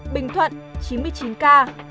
bình thuận chín mươi chín ca